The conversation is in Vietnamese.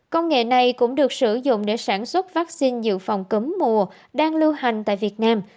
công nghệ này cũng được sử dụng để sản xuất vaccine dự phòng cấm mùa đang lưu hành tại việt nam